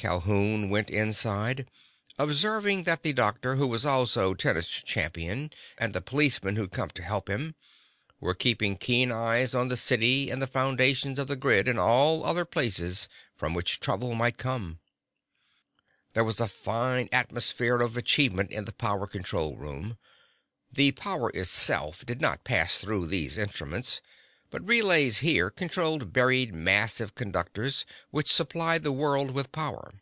Calhoun went inside, observing that the doctor who was also tennis champion, and the policeman who'd come to help him, were keeping keen eyes on the city and the foundations of the grid and all other places from which trouble might come. There was a fine atmosphere of achievement in the power control room. The power itself did not pass through these instruments, but relays here controlled buried massive conductors which supplied the world with power.